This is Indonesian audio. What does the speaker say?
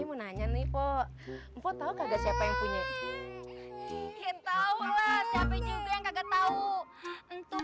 ayo nanya nih kok kau tahu kagak siapa yang punya itu kita allah tapi juga nggak tahu untuk